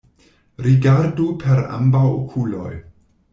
Rigardu per ambaŭ okuloj!